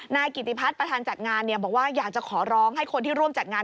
นายกิติพัฒน์ประธานจัดงานบอกว่าอยากจะขอร้องให้คนที่ร่วมจัดงาน